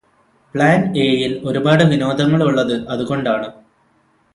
plan A യിൽ ഒരുപാട് വിനോദങ്ങളുള്ളത് അതുകൊണ്ടാണ്